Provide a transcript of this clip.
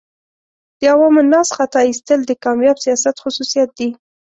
د عوام الناس خطا ایستل د کامیاب سیاست خصوصیات دي.